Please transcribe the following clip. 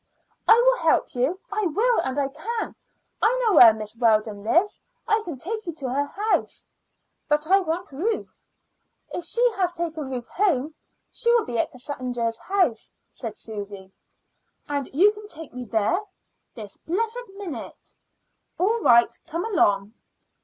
"I will help you. I will, and I can. I know where Miss Weldon lives. I can take you to her house." "But I want Ruth." "If she has taken Ruth home, she will be at Cassandra's house," said Susy. "And you can take me there?" "This blessed minute." "All right; come along."